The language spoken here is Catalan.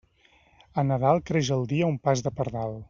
A Nadal creix el dia un pas de pardal.